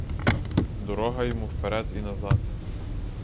Дорога йому вперед і назад.